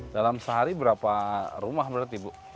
dalam sehari berapa rumah berarti ibu